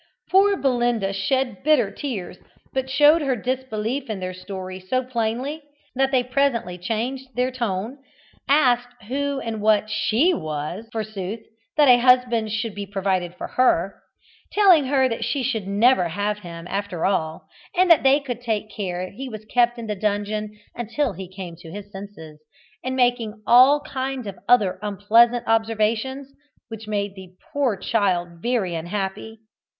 Poor Belinda shed bitter tears, but showed her disbelief in their story so plainly, that they presently changed their tone, asked who and what she was, forsooth, that a husband should be provided for her telling her that she should never have him after all, that they would take care he was kept in the dungeon until he came to his senses, and making all kinds of other unpleasant observations, which made the poor child very unhappy.